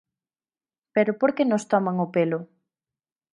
¿Pero por que nos toman o pelo?